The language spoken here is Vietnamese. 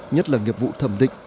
nhất là nghiệp vụ thẩm định